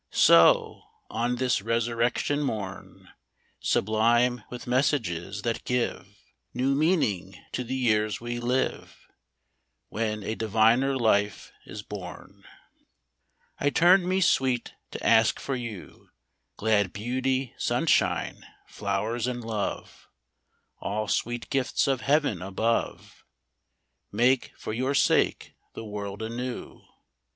So, on this resurrection morn, Sublime with messages that give New meaning to the years we live — When a diviner life is born, — I turn me, Sweet, to ask for you Glad beauty, sunshine, flowers, and love ; All sweetest gifts of Heaven above Make, for your sake, the world anew.